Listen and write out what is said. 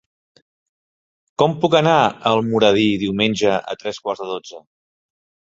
Com puc anar a Almoradí diumenge a tres quarts de dotze?